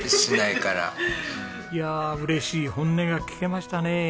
いやあ嬉しい本音が聞けましたね。